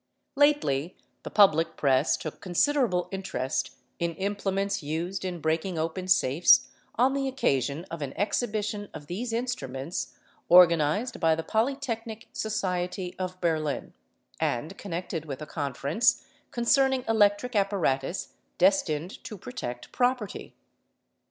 _ lately, the public press took considerable interest in implements used in breaking open safes on the occasion of an exhibition of these instru Inents organised by the Polytechnic Society of Berlin, and connected with >@ conference concerning electric apparatus destined to protect property.